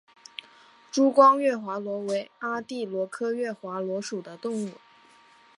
珠光月华螺为阿地螺科月华螺属的动物。